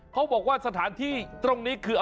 เขาบอกว่าสถานที่ตรงนี้คือ